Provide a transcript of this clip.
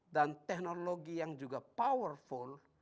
dan teknologi yang juga powerful